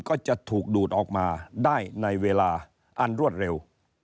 ก็จะถูกดูดออกมาได้ในเวลาอันรวดเร็ว